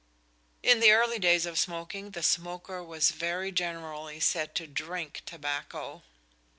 In the early days of smoking, the smoker was very generally said to "drink" tobacco.